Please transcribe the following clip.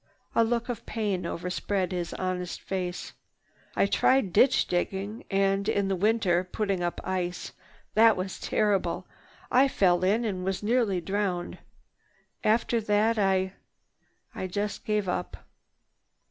A look of pain overspread his honest face. "I tried ditch digging and, in winter, putting up ice. That was terrible. I fell in and was nearly drowned. After that I—I just gave up.